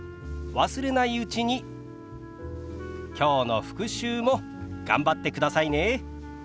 忘れないうちにきょうの復習も頑張ってくださいね。